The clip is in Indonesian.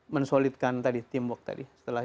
mensolidkan tadi teamwork tadi setelah